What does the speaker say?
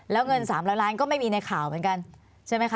แล้วเงิน๓๐๐ล้านก็ไม่มีในข่าวเหมือนกันใช่ไหมคะ